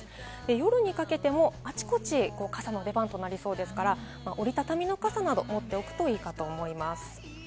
夜にかけてもあちこち傘の出番となりそうですから、折り畳みの傘などを持っておくといいかと思います。